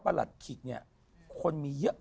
หลัดขิกเนี่ยคนมีเยอะ